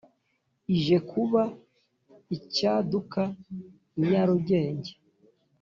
Ije kuba icyaduka i Nyarugenge,